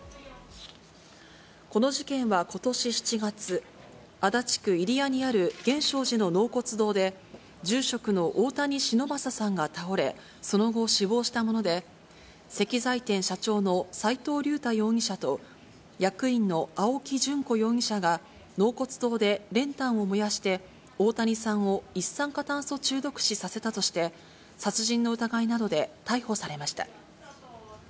この事件はことし７月、足立区入谷にある源証寺の納骨堂で、住職の大谷忍昌さんが倒れ、その後、死亡したもので、石材店社長の斎藤竜太容疑者と役員の青木淳子容疑者が、納骨堂で練炭を燃やして、大谷さんを一酸化炭素中毒死させたとして、殺人の疑いなどで逮捕されました。